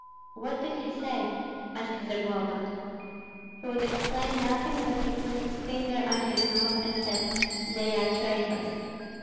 "What did he say?" asked Zagloba. "He would explain nothing, but he put his finger on his mouth and said, 'They are traitors!'"